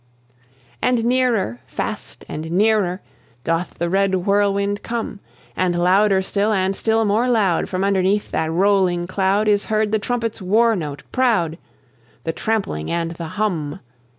And nearer, fast, and nearer Doth the red whirlwind come; And louder still, and still more loud, From underneath that rolling cloud, Is heard the trumpet's war note proud, The trampling and the hum.